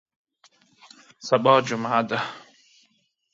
سبا جمعه ده